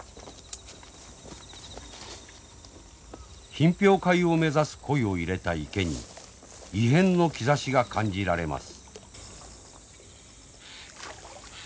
品評会を目指す鯉を入れた池に異変の兆しが感じられます。